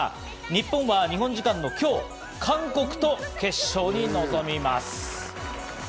日本は日本時間の今日、韓国と決勝に臨みます。